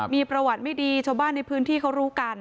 มีประวัติไม่ดีชาวบ้านในพื้นที่เขารู้กัน